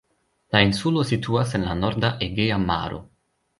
La insulo situas en la norda Egea Maro.